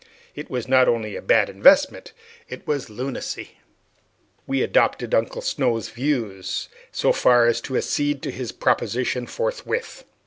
It was not only a bad investment, it was lunacy. 'We adopted Uncle Snow's views so far as to accede to his proposition forthwith.